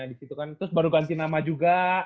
gitu kan terus baru ganti nama juga